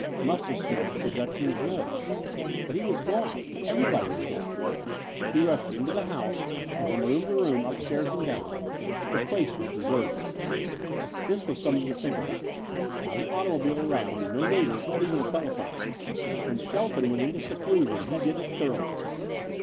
Must have smashed the Dutchman's nose. But he was gone. Everybody was gone. He rushed into the house and from room to room, upstairs and down. The place was deserted. This was something to think about. Not an automobile around, no neighbors, not even a telephone. When Shelton went into seclusion, he did it thoroughly.